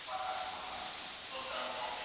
د همدې شپې په سهار کې يې ويده کړم